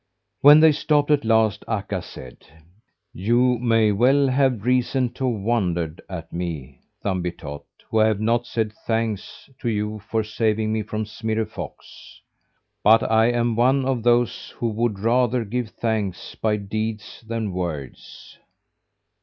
When they stopped at last, Akka said: "You may well have reason to wonder at me, Thumbietot, who have not said thanks to you for saving me from Smirre Fox. But I am one of those who would rather give thanks by deeds than words.